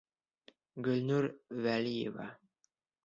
Гөлнур ВӘЛИЕВА: